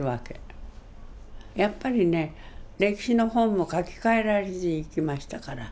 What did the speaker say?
やっぱりね歴史の本も書き換えられていきましたから。